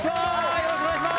よろしくお願いします。